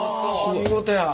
見事やね